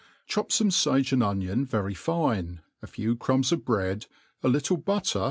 CHOP fome fage and onion very fine, a few crumbs of breads a little butter